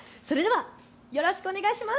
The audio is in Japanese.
よろしくお願いします。